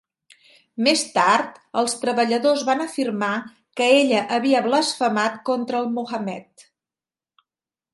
Més tard els treballadors van afirmar que ella havia blasfemat contra el Muhammed.